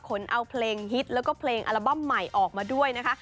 คนเอาเพลงฮิตแล้วก็เพลงอัลบั้มใหม่ออกมาด้วยนะคะ